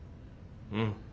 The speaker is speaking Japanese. うん。